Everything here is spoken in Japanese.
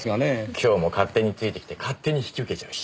今日も勝手についてきて勝手に引き受けちゃうし。